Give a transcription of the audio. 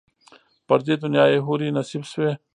پر دې دنیا یې حوري نصیب سوې